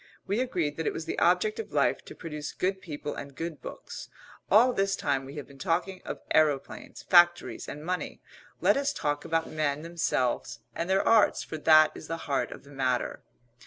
We agreed that it was the object of life to produce good people and good books. All this time we have been talking of aeroplanes, factories, and money. Let us talk about men themselves and their arts, for that is the heart of the matter."